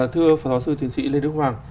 thưa phó thó sư thuyền sĩ lê đức hoàng